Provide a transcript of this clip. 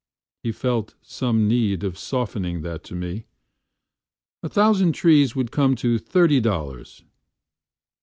He felt some need of softening that to me:"A thousand trees would come to thirty dollars."